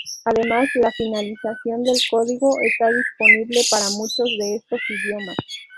Además, la finalización del código está disponible para muchos de estos idiomas.